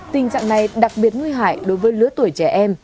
tình trạng này đặc biệt nguy hại đối với lứa tuổi trẻ em